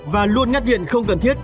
và luôn ngắt điện không cần thiết